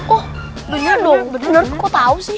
oh bener dong bener kok tau sih